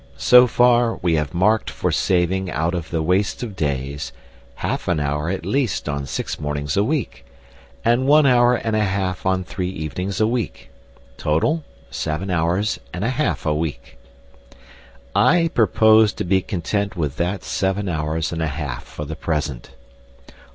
So far we have marked for saving out of the waste of days, half an hour at least on six mornings a week, and one hour and a half on three evenings a week. Total, seven hours and a half a week. I propose to be content with that seven hours and a half for the present.